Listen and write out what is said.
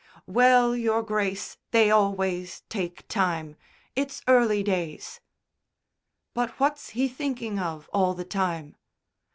"Well, Your Grace, they always take time. It's early days." "But what's he thinking of all the time?"